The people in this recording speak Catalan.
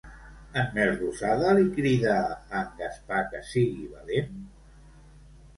En Melrosada li crida a en Gaspar que sigui valent?